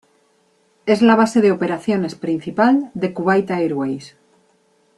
Es la base de operaciones principal de Kuwait Airways.